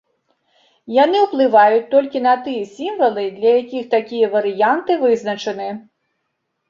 Яны ўплываюць толькі на тыя сімвалы, для якіх такія варыянты вызначаны.